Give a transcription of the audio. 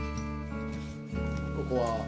ここは。